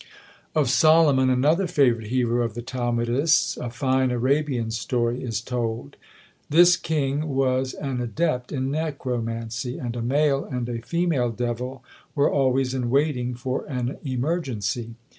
Of Solomon, another favourite hero of the Talmudists, a fine Arabian story is told. This king was an adept in necromancy, and a male and a female devil were always in waiting for an emergency.